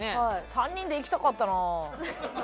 ３人で行きたかったな。